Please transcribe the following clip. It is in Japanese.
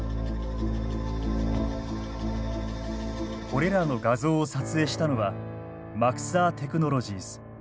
これらの画像を撮影したのはマクサー・テクノロジーズ。